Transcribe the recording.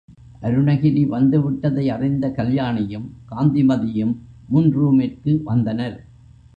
அருணகிரி வந்து விட்டதை அறிந்த கல்யாணியும் காந்திமதியும் முன் ரூமிற்கு வந்தனர்.